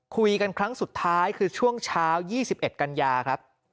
คุยกันครั้งสุดท้ายคือช่วงเช้า๒๑กันยาครับ